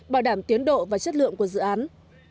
bảo đảm tiến độ và chất lượng của dự án